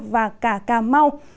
và cả cà mau